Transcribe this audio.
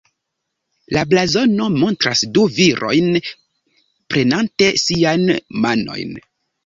La blazono montras du virojn prenante siajn manojn.